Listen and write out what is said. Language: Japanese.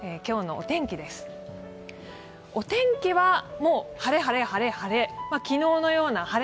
お天気は晴れ、晴れ、晴れ、晴れ。